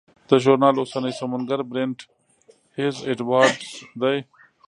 د ژورنال اوسنی سمونګر برینټ هیز اډوارډز دی.